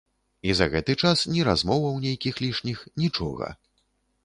І за гэты час ні размоваў нейкіх лішніх, нічога.